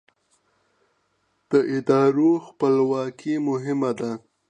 د ادارو خپلواکي مهمه ده